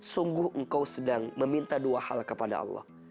sungguh engkau sedang meminta dua hal kepada allah